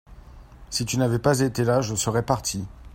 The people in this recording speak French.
si tu n'avais pas été là je serais parti.